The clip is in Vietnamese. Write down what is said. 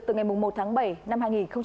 từ ngày một tháng bảy năm hai nghìn hai mươi